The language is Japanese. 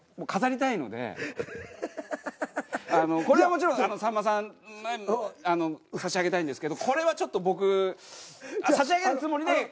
これはもちろんさんまさんに差し上げたいんですけどこれはちょっと僕差し上げるつもりで。